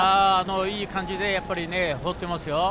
いい感じでやっぱり放っていますよ。